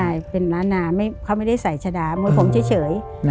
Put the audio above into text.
ใช่เป็นล้านนาเขาไม่ได้ใส่ชะดามวยผมเฉย